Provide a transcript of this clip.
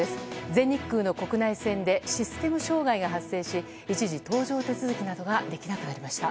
全日空の国内線でシステム障害が発生し一時、搭乗手続きなどができなくなりました。